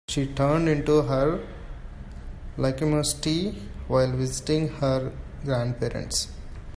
She turned into her lachrymosity while visiting her grandparents.